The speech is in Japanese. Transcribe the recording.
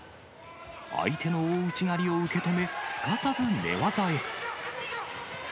相手の大内刈りを受け止め、すかさず寝技へ。